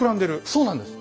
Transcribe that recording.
そうなんです。